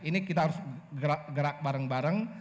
ini kita harus gerak bareng bareng